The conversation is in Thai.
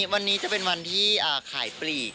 วันนี้จะเป็นวันที่ขายปลีก